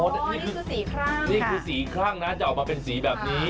นี่คือสีครั่งนี่คือสีครั่งนะจะออกมาเป็นสีแบบนี้